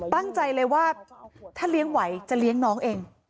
ตั้งใจเลยว่าถ้าเลี้ยงไหวจะเลี้ยงน้องเอง